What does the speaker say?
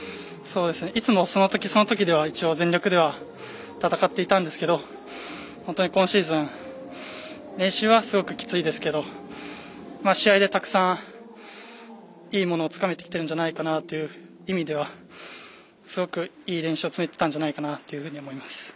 いつもそのとき、そのとき全力では戦っていたんですけど本当に今シーズン練習はすごくきついですけど試合でたくさん、いいものをつかめてきてるんじゃないかなという意味では、すごくいい練習を積めてたんじゃないかなと思います。